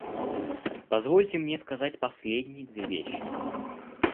Позвольте мне сказать последние две вещи.